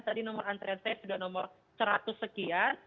tadi nomor antrean saya sudah nomor seratus sekian